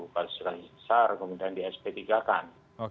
kalau sudah besar kemudian di sp tiga kan